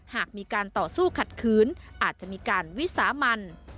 หากมีการต่อสู้ขัดขืนอาจจะมีการวิสามัน